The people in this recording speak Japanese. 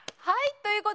はい。